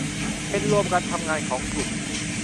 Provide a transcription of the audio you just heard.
เป็นรวมกันทำงานของกลุ่ม